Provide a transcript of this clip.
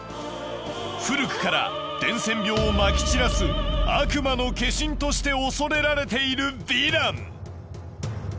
古くから伝染病をまき散らす悪魔の化身として恐れられているヴィラン。